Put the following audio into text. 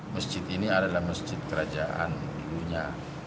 masjid ini adalah masjid kerajaan punya